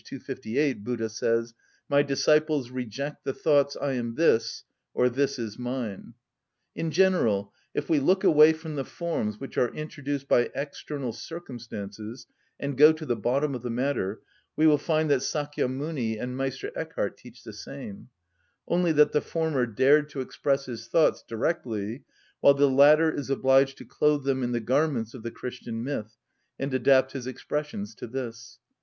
258, Buddha says: "My disciples reject the thoughts I am this, or this is mine." In general, if we look away from the forms which are introduced by external circumstances and go to the bottom of the matter, we will find that Sakya Muni and Meister Eckhard teach the same; only that the former dared to express his thoughts directly, while the latter is obliged to clothe them in the garments of the Christian myth and adapt his expressions to this.